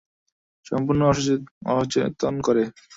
সম্পূর্ণই অচেতন করে।